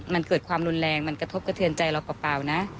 มันเกิดความรุนแรงมันกระทบกระเทือนใจเราเปล่านะ